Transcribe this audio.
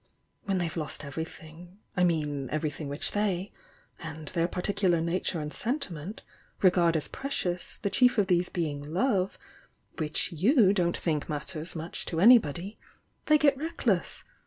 When they've lost everything — I mean everything which they, with their particular nature and senti ment, regard as precious, the chief of these being love, which you don't think matters much to any body, they get reckless.